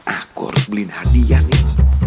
aku harus beliin hadiah nih